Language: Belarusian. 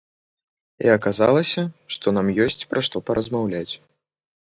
І аказалася, што нам ёсць пра што паразмаўляць.